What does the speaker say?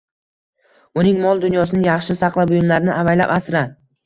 Uning mol-dunyosini yaxshi saqla, buyumlarini avaylab asra.